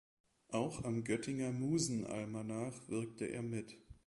Auch am Göttinger Musenalmanach wirkte er mit.